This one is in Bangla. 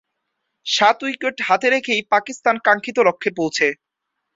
সাত উইকেট হাতে রেখেই পাকিস্তান কাঙ্ক্ষিত লক্ষ্যে পৌঁছে।